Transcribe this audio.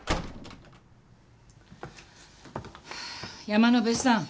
山野辺さん